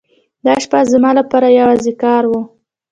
دا شپه زما لپاره یوازې کار و.